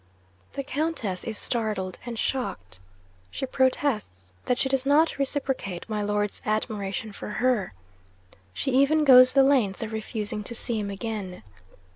'The Countess is startled and shocked. She protests that she does not reciprocate my Lord's admiration for her. She even goes the length of refusing to see him again.